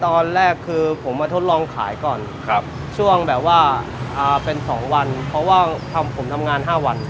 ตอนแรกคือผมมาทดลองขายก่อนช่วงแบบว่าเป็น๒วันเพราะว่าผมทำงาน๕วัน